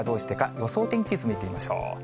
予想天気図、見てみましょう。